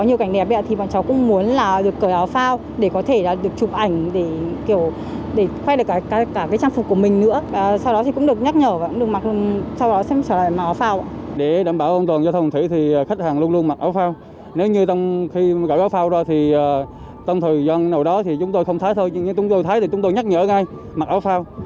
nhưng chúng tôi thấy thì chúng tôi nhắc nhở ngay mặc áo phao